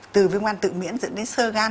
từ viêm gan tự miễn dẫn đến sơ gan